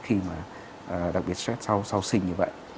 khi mà đặc biệt stress sau sinh như vậy